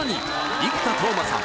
生田斗真さん